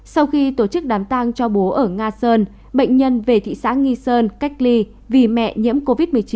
sau khi tổ chức đám tang cho bố ở nga sơn bệnh nhân về thị xã nghi sơn cách ly vì mẹ nhiễm covid một mươi chín